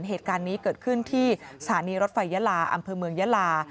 เหตุการณ์นี้เกิดขึ้นที่สถานีรถไฟยาลาอำเภอเมืองยาลา